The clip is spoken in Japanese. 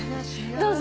どうぞ。